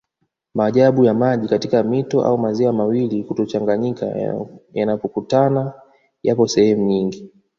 Maajabu ya maji katika mito au maziwa mawili kutochanganyika yanapokutana yapo sehemu nyingi